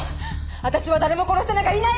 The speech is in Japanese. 私は誰も殺してなんかいない！